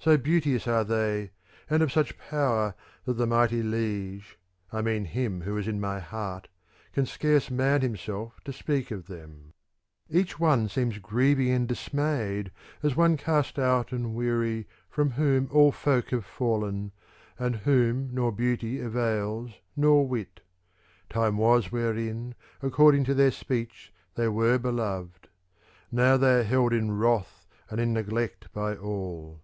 So beauteous are they and of such power that the mighty liege, I mean him who is in my heart, can scarce man himself to speak of them. j , Each one seems grieving and dismayed 9fAs one cast out and weary from whom all folk have fallen and whom nor beauty avails nor wit. Time was wherein, according to their speech, they were be loved : now they are held in wrath and in neglect by all.